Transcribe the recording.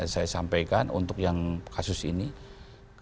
saya sampaikan untuk menjaga pindahan